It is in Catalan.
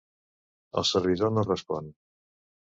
El servidor no respon.